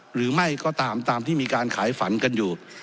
หรือไม่ก็ตามตามที่มีการขายฝันกันอยู่